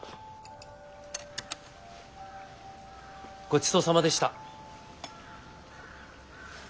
ごちそうさまでした。